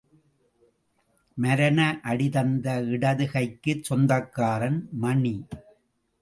மரண அடி தந்த இடது கைக்குச் சொந்தக்காரன் மணி.